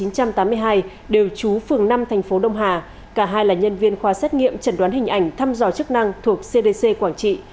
cả hai là nhân viên khoa xét nghiệm trần đoán hình ảnh thăm dò chức năng thuộc cdc quảng trị